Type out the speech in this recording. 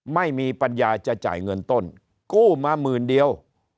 ไม่มีปัญญาจะจ่ายเงินต้นกู้มาหมื่นเดียว